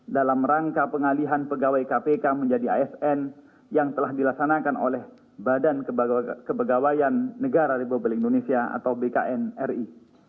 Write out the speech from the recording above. dalam rangka pengalihan pegawai kpk menjadi asn yang telah dilaksanakan oleh badan kepegawaian negara republik indonesia atau bknri